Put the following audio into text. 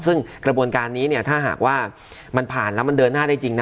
ซึ่งกระบวนการนี้เนี่ยถ้าหากว่ามันผ่านแล้วมันเดินหน้าได้จริงนะ